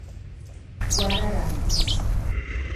Guararapes